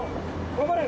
頑張れ。